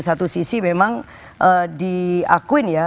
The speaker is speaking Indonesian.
itu sih memang diakuin ya